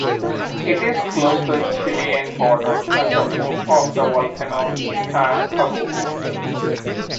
It is close to the Chilean border, at the foot of the volcano Licancabur.